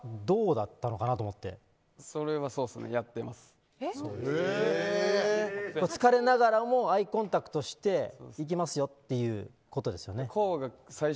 それはそれはそうですねつかれながらもアイコンタクトしていきますよということですよね。